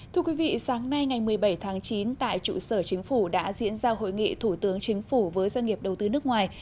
thưa quý vị sáng nay ngày một mươi bảy tháng chín tại trụ sở chính phủ đã diễn ra hội nghị thủ tướng chính phủ với doanh nghiệp đầu tư nước ngoài